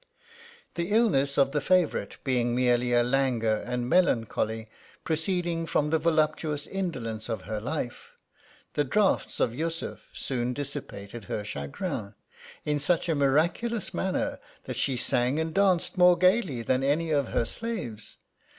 The illness of the favourite, being merely a languor and melancholy, proceeding from the voluptuous indolence of her life, the draughts of Yussuf soon dissipated her chagrin, in such a miraculous manner, that she sang and danced more gaily than any of her slaves.